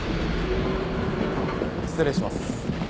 失礼します。